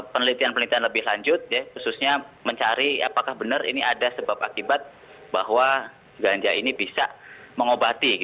penelitian penelitian lebih lanjut khususnya mencari apakah benar ini ada sebab akibat bahwa ganja ini bisa mengobati